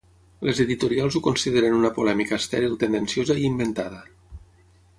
Les editorials ho consideren una polèmica ‘estèril, tendenciosa i inventada’